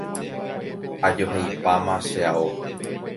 Ajoheipáma che ao.